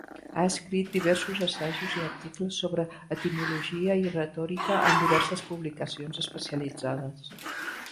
Ha escrit diversos assajos i articles sobre etimologia i retòrica en diverses publicacions especialitzades.